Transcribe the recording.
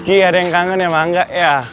ci ada yang kangen ya mangga ya